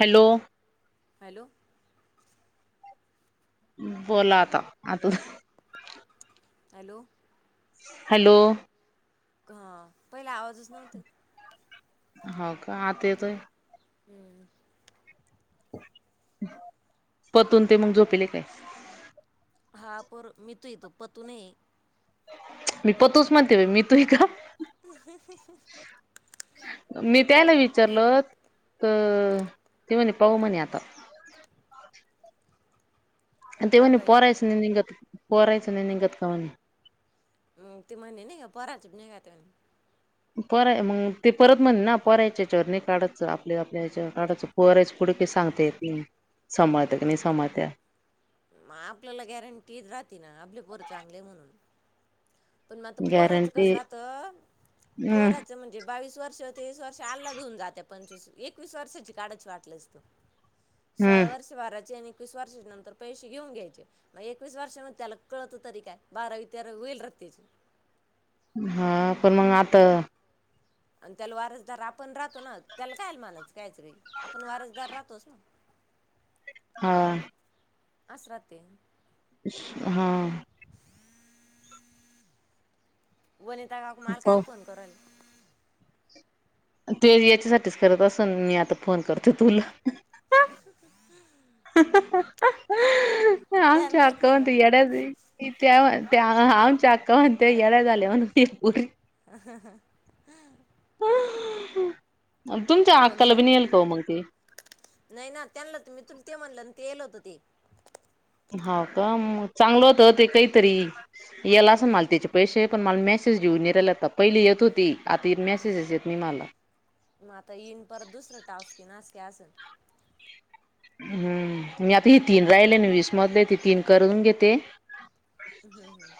Hello. Hello. बोला आता आता हॅलो. हॅलो. हा पहिला आवाजचं नव्हता येत. हो का आता येतोय? हम्म. पतून ते मग झोपीले काय? हा पर मितू आहे तो पतू नाही आहे. मी पतूचं म्हणते बाई, मीतू आहे का? मी तू त्याला येतो विचारलं? तर ती म्हणे पाऊ म्हणे आता. काय तेव्हानी पाहिजे पोरायचं नाही निंगत पोरायचं नाही निंगत कावानी. म ते म्हणे नाही का पोराच नाही का त म परय मग ते परत म्हणे ना पोरायच्या ह्याच्यावर्णी नाही काढायचं आपल्या आपल्या हेच्यावर काढायचं. पोरायच्या पुुढे काय सांगता येत नाही ती सभाळत्या की नाही सांभाळत्या. मग आपल्याला गॅरंटी राहती ना आपली पोरं चांगली आहे म्हणून. पण मग आता पोराचं गॅरंटी कसं राहतं हम्म पोराचं म्हणजे बावीस वर्ष तेवीस वर्ष अल्लाध होऊन जाते पंचवीस एकवीस वर्षाची काढायची वाटल्यास तर. सोळा हम्म वर्ष बाराची आणि एकवीस वर्षा नंतर पैसे घेऊन घ्यायचे मग एकवीस वर्षा मध्ये त्याला कळतं तरी काय बारावी तेरा होईल राहाती. त्याची. हा पण मग आता. आणि त्याला वारसदार आपण राहतो ना त्याला कायल म्हणायचं. कायचं रही आपण वारसदार राहतोस ना. हा. अस राहताय. हा. वनिता काकू मला पाहू कायला फोन करू राहिल्या? ते याच्यासाठीच करत असून मी आता फोन करतो तुला. [inaudible] त्यांना आमच्या माहीत आक्का नाही म्हणता का येड्याच. त्या त्या आमच्या अक्का म्हणत येडा झाल्या म्हणून पोरी. ह हा हा. तुमच्या अक्काला फोनचा बीन येईल का मग ते? नाही ना. त्यांना तुमि मी तु ते म्हणलं आणि ते येल होत ते. हा का म चांगलं होत ते काहीतरी. याला असं मला त्याचे पैसे पण मला मेसेज येऊन नाही रायला आता. पहिली येत होती. आता मेसेजेस येत नाही मला. मग आता येईन परत दुसरं टास्क अस काही असल. हम्म. मी आता तीन राहिले ना. वीस मधले तर तीन करून घेते. हम्म हम्म हम्म.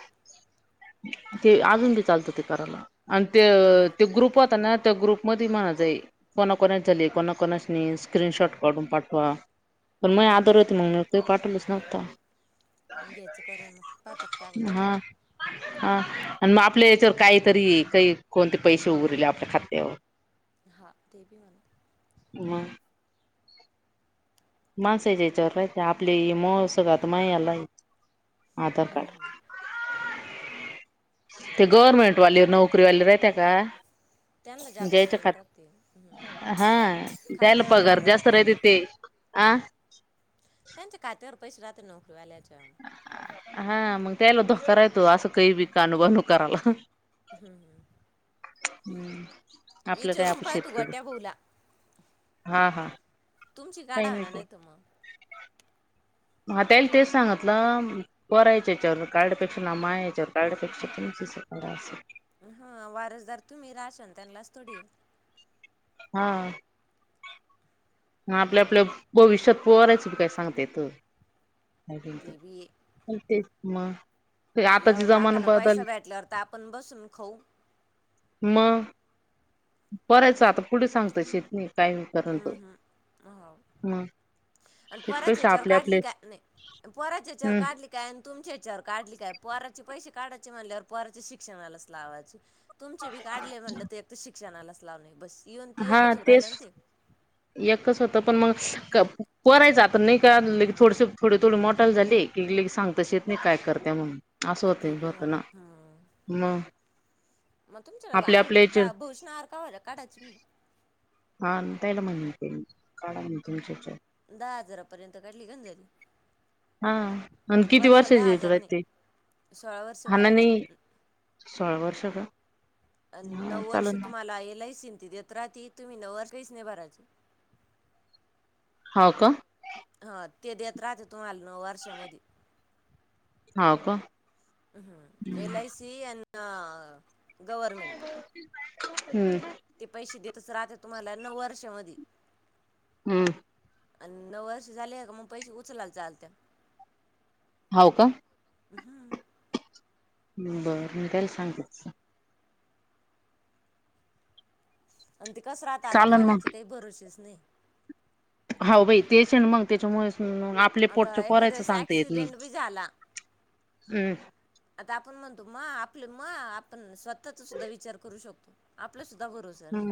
ते अजून बी चालतं ते करायला. आणि ते घ्या ते ग्रुप होता ना. त्या ग्रुप मध्ये माझा आहे. कोणाकोणाच नाही. कोणाकोणाच नाही. स्क्रीनशॉट काढून पाठवा. पण मग आदर होते. मग ते पाठवलच नव्हता. घ्यायचं करून मग पाहतोच काय होतं हा हा. आणि मग आपल्या याच्यावर काहीतरी काही कोणते पैसे उरले आपल्या खात्यावर. हा ते बी म्हणा. मग माणसांच्या याच्यावर राहित नाही. आपले मूळ सगळ आता आधार कार्ड. ते गव्हर्नमेंट वाले नोकरीवाले राहते का. त्याना ज्यादा ज्याच्या पेमेंट खात राहती. हा त्याना पगार जादा राहते जास्त राहत ते. त्यांचं आ. त्यांच्या खात्यावर पैसे राहते नोकरीवाल्याच्या. हा मग त्याला धोका राहितो. असं काही बी कानु बानू करायला. हम्म हम्म. हम. विचारून पाय तू गोट्या भाऊला. हा हा. तुमची गाडा म्हणा नाही त मग. हा त्यानी तेच सांग गीतल. पोराच्या याच्यावर कार्डपेक्षा ना, मायाच्यावर काड्यापेक्षास सोप असेल. हा वारसदार तुम्ही राहशील त्यांनलाच थोडी हे. हा. मग आपल्या आपल्या भविष्यात पोराचं बी काय सांगता येत नाही. ते बी अ तेच मग. ते आताची लव जमान लाखान बदल पैसा भेटल्यावर तर आपण बसून खाऊ. मग. करायचं आता. पुढे सांगत शेती काय करिन हम्म ते. हम्म हो हम आणि पोराच्या हिच्यावर काढली का, नाही. पोराच्या हेच्यावर हम्म काढली त्याच्या तुमच्या हेच्यावर काढली काय, पोराचे पैसे काढायचे म्हणल्यावर पोराचे शिक्षणालाच लावायचे. तुमचे बी काढले म्हटलं, ते एक तर शिक्षणालाच लावणे बस येऊन ती हा एकच येऊन राहिला तेच ना ते. एकच होत पण मग कप पोराचं आता नाही का थोडस थोडे थोडे मोटाल झालेय. टिकली की सांगता येत नाही काय करत म्हणून असं ते होतं बी हाय होतं ना. हा. मग मग तुमच्याला आपल्या आण आपल्या याचे का भूषण आवर कावाला काढायची. हा त्याला म्हणले होते. काढा ना. तुमच्या ह्याच्यावर. दहा हजारापर्यंत काढली का जाईल. हा. आणि किती वर्षाची दहा आहे ती हजार नाही. व्यक्ती. सोळा वर्ष खानदानी भरायची. सोळा वर्ष का? अन हा नऊ वर्ष चालेल ना तुम्हाला एलआईसिन देत राहती तुम्ही नऊ वर्ष काहीच नाही भरायच. हाव का हा ते देत राहते तुम्हाला नऊ वर्षामध्ये हाव का हम एल आय सी अन अ गव्हर्मेंट हम्म ते पैसे देतच राहत्या तुम्हाला नऊ वर्षामध्ये हम्म आणि नऊ वर्ष झाले आहे का मग पैसे उचलाय चालत हाव का हम्म बर मी त्याला सांगतेच. आणि ते कस राहत आता चालन कोणाची मग काही भरोशीच नाही. हाव बाई तेच मग त्याच्यामुळे आपले पोटचे आता एखाद्या पोरांयच वेळेस सांगता येत नाही. ऍक्सिडेंट बी झाला. हम्म आता आपण म्हणतो मा आपले मा आपल मा आपण स्वतःचा सुद्धा विचार करू शकतो. आपला सुद्धा बरोसर नाई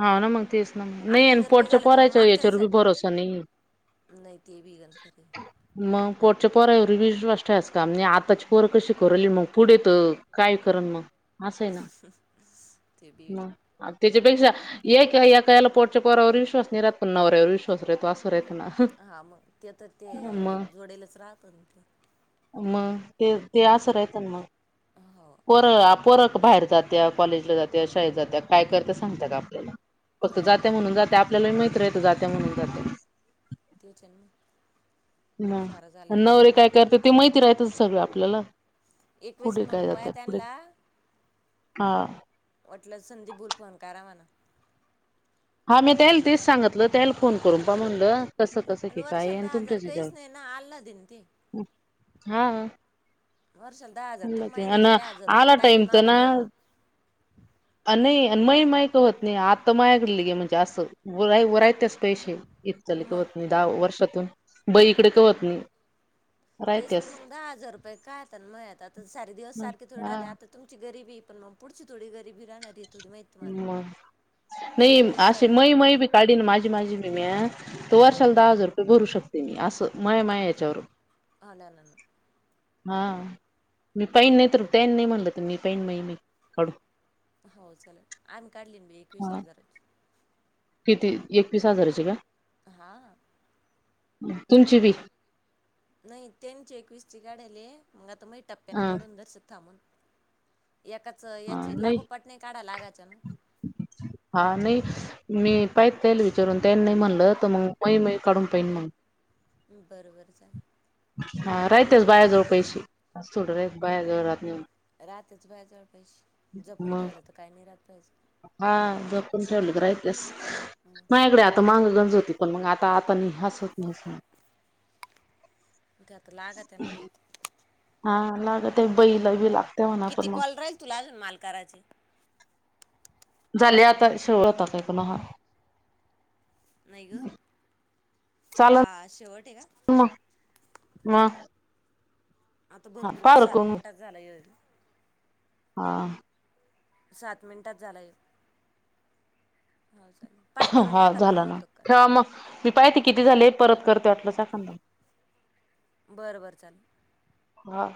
हा ना मग तेच ना नाही आपल्याला जर काही पोटच झालं तर मग परायच याच्यावर बी मागच्यांसाठी भरोसा नाहीये नाही ते बी गंज खातय. मग पोटच्या पोरावर विश्वास ठेवायच का नाही आताची पोर कशी करु लागले मग पुढे तर काय करण मग अस आहे स.. [inaudible] मग त्याच्यापेक्षा एक का एक याला पोटच्या पोरावर विश्वास नाही राहात पण नवऱ्यावर विश्वास राहतो अस राहत ना. हा मग ते तर ते मग जोडेलच राहत ना मग ते ते आस रायत ना मग हो पर आ पोर बाहेर जात्या कॉलेजला जात्या शाळेत जात्या काय करत सांगत्या का आपल्याला. फक्त नाही जात्या नाही म्हणून जात्या आपल्यालाही माहीत रायत जाते म्हणून तोच येना. ह नवरे काय पडत करत्या ते माहिती रायत सगळ आपल्याला. एकवेस पुढे काय म्हणून पाय जातात पुढे त्यांला हा वाटल्यास संदीप भुल फोन करा म्हणा. हा मी त्यायले तेच सांगतल त्यायले फोन करून पा म्हणल. कस कस आणि की वर्षाला कायये दहा हजार तुमच्याशीच्यावर काहीच नाही ना आल्ला देन ते हा वर्षाला दहा हजार तर महिन्याचे हाना बी हजार रुपये आला टाकले टाईम तर ना? मागं अ नाही माही माही का होत नाही आता माय म्हणजे अस वराय वरायच पैसे इतल मग कवत नाही दहा वर्षातून बई इकडे का होत नाही तेच ना राहत्यास मग दहा हजार रुपये कायात मयात आता सारी दिवस सारखे थोडे हा राहते आता तुमची गरीबी पण मग पुढची थोडी गरीबी राहणार आहे थोडी माहिती म तुम्हाला नाही सगळे दिवस अशी मई हो मई बी काढी ना माझी माझी मी म्या त वर्षाला दहा हजार रुपये भरू शकते मी अस मय माया याच्यावर आला ना हा मी पाईन नाही तर त्यानी नाही म्हणल तर मी पाईन माई माई काढून हो आणि काढली ना मी एकवीस हा हजाराची. किती एकवीस हजाराची का?? हां... तुमची बी?? नाही त्यांची एकवीस ची काढली ये मग आता माही टप्प्यानं ह काढून [unintelligible] थांबून. एकाच याची लागोपाट नाही काढाय लागाच ना. हा नाही मी पाहत ताईला विचारून त्यांनी नाही म्हणलं तर मग काढून पाहीन मंग. बरं बरं चालेल हा राहतेच बायाजवळ पैसे थोड राह बायाजवळ राहत नाही. रातेच बाया जवळ पैशे जपून मग ठेवलं तर काही नाही राहत पैशे. हा जपून ठेवले तर राहतेस मग नाहीकडे आता मांग गरज होती. पण मग आता आता निहास होत नाहीस. गत लागते न म आता. हा लागते बैल बी लागत. किती कॉल राहील तुला अजून मला करायचे? झाले आता शेवटाचा आता काय कोणा हा. नाही ग चाल हा शेवट आहे का? मग मग.. आता हा भरपूर पार सात करून मिनिटाच झालाय [unintelligible] हां... सात मिनिटात झाला ह्यो हा चालेल. पाय करून हा एखादा मग झालं ना होतो का? ठेवा मग मी पाहते किती झाले परत हो करते वाटलंस एखांदा. बरं बरं चालेल. हा..